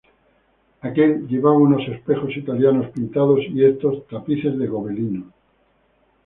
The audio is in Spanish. Aquel llevaba unos espejos italianos pintados y estos tapices de Gobelinos.